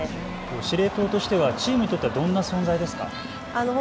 司令塔としてはチームにとってどんな選手ですか。